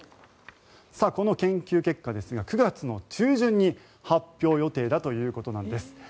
この研究結果ですが９月の中旬に発表予定だということなんです。